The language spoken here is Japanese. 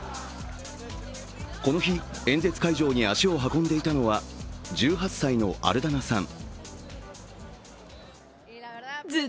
この日、演説会場に足を運んでいたのは１８歳のアルダナさん。